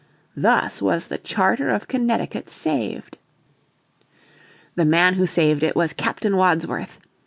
Thus was the charter of Connecticut saved. The man who saved it was Captain Wadsworth.